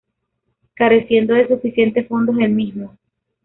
Careciendo de suficientes fondos el mismo.